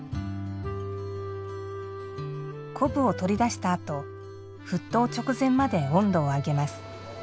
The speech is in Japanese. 昆布を取り出したあと沸騰直前まで温度を上げます。